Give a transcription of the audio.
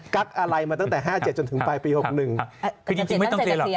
กั๊กอะไรมาตั้งแต่๑๙๕๗จนถึงปลายปี๑๙๖๑